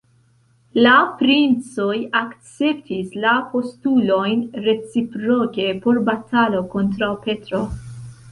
La princoj akceptis la postulojn reciproke por batalo kontraŭ Petro.